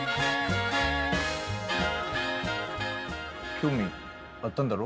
興味あったんだろ？